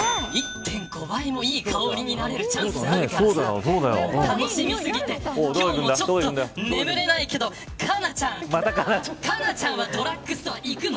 １．５倍もいい香りになれるチャンスがある楽しみ過ぎて今日も眠れないけど佳菜ちゃんはドラッグストアに行くの。